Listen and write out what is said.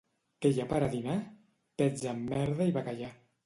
—Què hi ha per a dinar? —Pets amb merda i bacallà.